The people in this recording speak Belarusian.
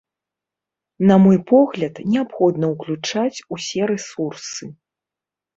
На мой погляд, неабходна ўключаць ўсе рэсурсы.